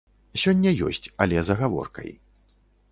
Сёння ёсць, але з агаворкай.